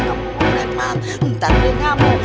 kamu mau menebak ntar dia ngamuk